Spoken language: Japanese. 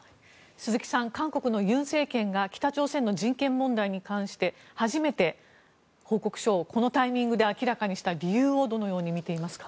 鈴木さん、韓国の尹政権が北朝鮮の人権問題に関して初めて報告書をこのタイミングで明らかにした理由をどう見ていますか。